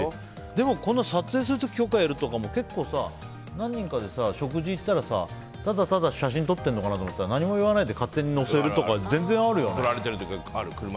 でも撮影する時許可を得るとかも結構さ、何人かで食事に行ったらただただ写真撮ってるのかなと思ってたら何も言わないで勝手に載せるとか全然あるよね。